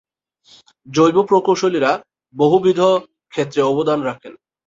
জৈব প্রকৌশলীরা বহুবিধ ক্ষেত্রে অবদান রাখেন।